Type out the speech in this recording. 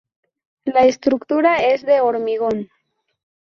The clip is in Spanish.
La estructura es de hormigón.